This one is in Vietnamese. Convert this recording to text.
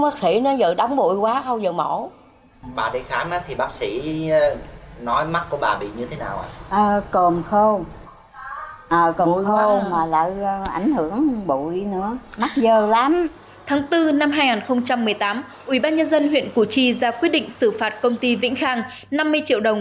tháng bốn năm hai nghìn một mươi tám ubnd huyện củ chi ra quyết định xử phạt công ty vĩnh khang năm mươi triệu đồng